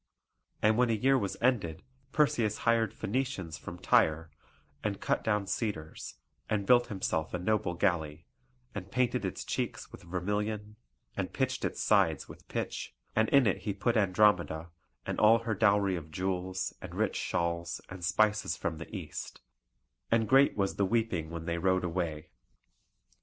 And when a year was ended Perseus hired Phoenicians from Tyre, and cut down cedars, and built himself a a noble galley; and painted its cheeks with vermilion and pitched its sides with pitch; and in it he put Andromeda, and all her dowry of jewels, and rich shawls, and spices from the East; and great was the weeping when they rowed away.